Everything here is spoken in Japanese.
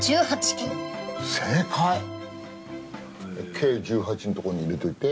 Ｋ１８のとこに入れておいて。